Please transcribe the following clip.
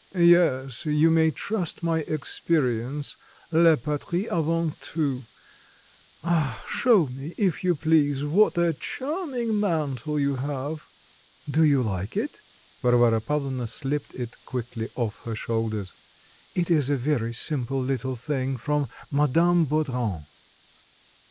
Yes; you may trust my experience, la patrie avant tout. Ah, show me, if you please what a charming mantle you have." "Do you like it?" Varvara Pavlovna slipped it quickly off her shoulders; "it is a very simple little thing from Madame Baudran."